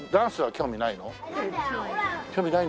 興味ない。